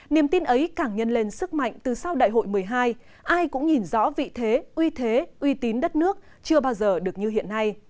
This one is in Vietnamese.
niềm tin ấy càng nhân lên sức mạnh từ sau đại hội một mươi hai ai cũng nhìn rõ vị thế uy thế uy tín đất nước chưa bao giờ được như hiện nay